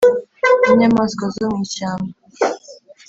n’inyamaswa zo mu ishyamba.